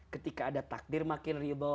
ketika ada takdir makin ribawa